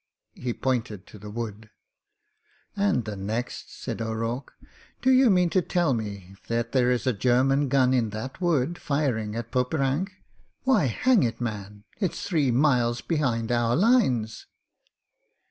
He pointed to the wood. "And the next!" said O'Rourke. "D'you mean to tell me that there is a German gun in that wood firing at Poperinghe? Why, hang it, man! it's three miles behind our lines."